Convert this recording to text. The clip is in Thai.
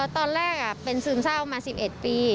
ตอนแรกเป็นซึมเศร้ามา๑๑ปี